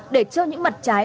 để cho những mặt trái